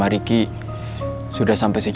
eh pindah balik